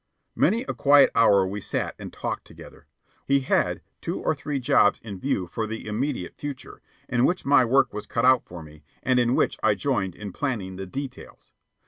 Many a quiet hour we sat and talked together. He had two or three jobs in view for the immediate future, in which my work was cut out for me, and in which I joined in planning the details.